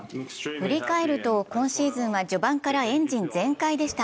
振り返ると今シーズンは序盤からエンジン全開でした。